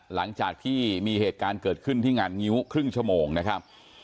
หลังจากที่มีเหตุการณ์เกิดขึ้นที่งานงิ้วครึ่งชั่วโมงนะครับ